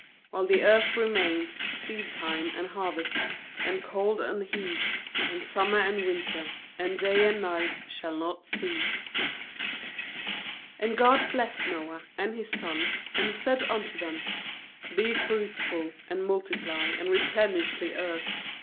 ^While the earth remaineth, seedtime and harvest, and cold and heat, and summer and win ter, and day and night shall not cease/ And God blessed Noah and his sons, and said unto them: 'Be fruitful, and multiply, and replenish the earth.